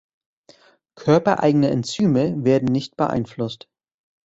Körpereigene Enzyme werden nicht beeinflusst.